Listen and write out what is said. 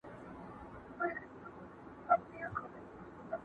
له پلرونو له نيكونو موږك خان يم!.